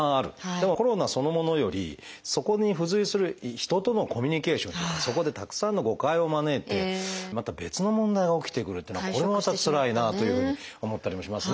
でもコロナそのものよりそこに付随する人とのコミュニケーションというかそこでたくさんの誤解を招いてまた別の問題が起きてくるってのはこれもまたつらいなというふうに思ったりもしますね。